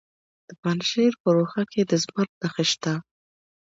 د پنجشیر په روخه کې د زمرد نښې شته.